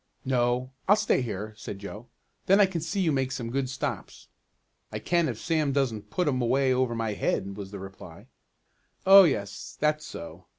"No, I'll stay here," said Joe. "Then I can see you make some good stops." "I can if Sam doesn't put 'em away over my head," was the reply. "Oh, yes, that's so.